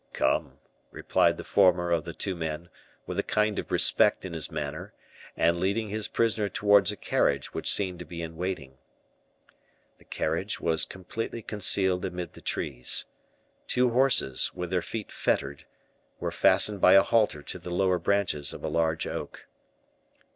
"Come," replied the former of the two men, with a kind of respect in his manner, and leading his prisoner towards a carriage which seemed to be in waiting. The carriage was completely concealed amid the trees. Two horses, with their feet fettered, were fastened by a halter to the lower branches of a large oak.